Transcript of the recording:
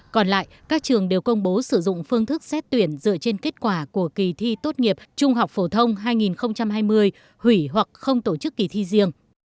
còn lại các trường đều công bố sử dụng phương thức xét tuyển dựa trên kết quả của kỳ thi tốt nghiệp trung học phổ thông hai nghìn hai mươi hủy hoặc không tổ chức kỳ thi riêng